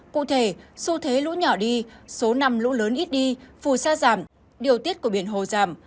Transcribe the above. cụ thể xu thế lũ nhỏ đi số năm lũ lớn ít đi phù sa giảm điều tiết của biển hồ giảm